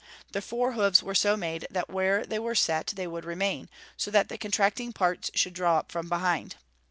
The fore hoofs were so made that where they were set they would remain, so that the contracting parts should draw up from behind.